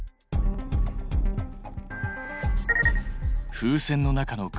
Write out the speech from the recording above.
風船の中の空気。